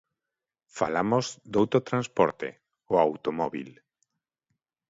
Falamos doutro transporte: o automóbil.